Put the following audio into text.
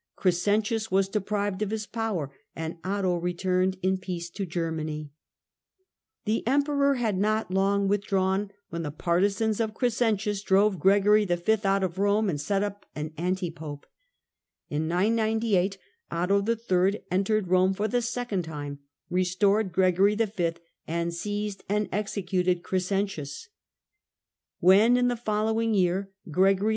Crescentius was deprived of his power, and Otto returned in peace to Germany. Second The Emperor had not long withdrawn when the pedition, partisans of Crescentius drove Gregory V. out of Eome ^^^ and set up an anti pope. In 998 Otto III. entered Eome for the second time, restored Gregory V., and seized and executed Crescentius. When, in the following year, Gregory V.